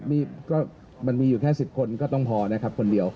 มันมีกี่พอนะ